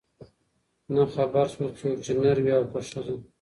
نه خبر سول څوک چي نر وې او که ښځه